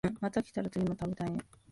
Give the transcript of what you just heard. また来たら次も食べたいね